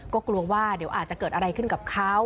ก็กลัวว่าเดี๋ยวอาจจะเกิดอะไรขึ้นกับเขา